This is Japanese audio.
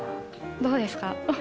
どうですか？